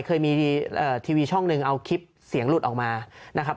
เคยมีทีวีช่องหนึ่งเอาคลิปเสียงหลุดออกมานะครับ